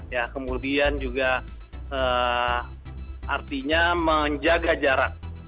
ya kemudian juga artinya menjaga jarak